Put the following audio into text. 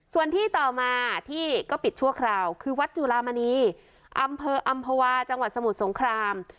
ส่วนที่ต่อมาที่ก็ปิดชั่วคราวคือวัดจุลามณีอำเภออำภาวาจังหวัดสมุทรสงคราม